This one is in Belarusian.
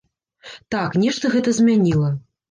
Так, нешта гэта змяніла.